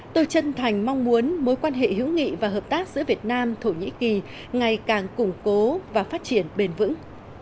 tôi chân thành mong muốn mối quan hệ hữu nghị và hợp tác giữa việt nam thổ nhĩ kỳ ngày càng củng cố và phát triển bền vững